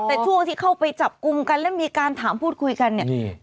แต่ช่วงที่เข้าไปจับกลุ่มกันและมีการถามพูดคุยกันเนี่ย